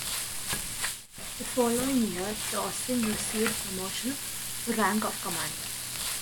The following year, Taussig received promotion to the rank of commander.